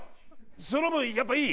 その分やっぱいい？